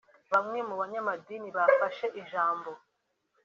Bamwe mu banyamadini bafashe ijambo